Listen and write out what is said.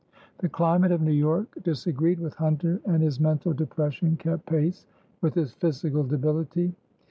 The climate of New York disagreed with Hunter, and his mental depression kept pace with his physical debility.